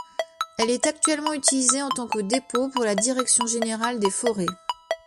Elle est actuellement utilisée en tant que dépôt pour la direction générale des forêts.